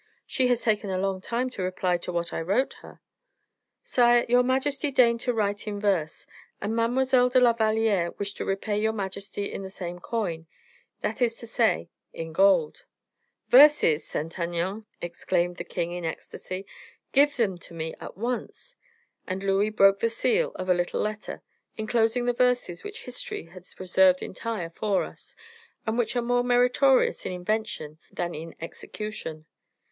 "She has taken a long time to reply to what I wrote her." "Sire, your majesty deigned to write in verse, and Mademoiselle de la Valliere wished to repay your majesty in the same coin; that is to say, in gold." "Verses! Saint Aignan," exclaimed the king in ecstasy. "Give them to me at once." And Louis broke the seal of a little letter, inclosing the verses which history has preserved entire for us, and which are more meritorious in invention than in execution.